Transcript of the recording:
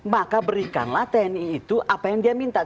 maka berikanlah tni itu apa yang dia minta